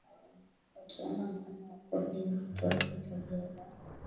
wakiunga mkono Wakurdi wa Kituruki Tabia za